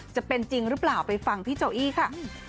จะเป็นจริงหรือเปล่าไปฟังพี่โจอี้ค่ะ